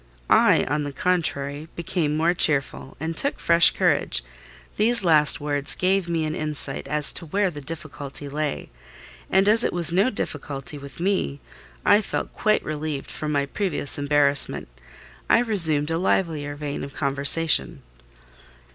I, on the contrary, became more cheerful, and took fresh courage: these last words gave me an insight as to where the difficulty lay; and as it was no difficulty with me, I felt quite relieved from my previous embarrassment. I resumed a livelier vein of conversation.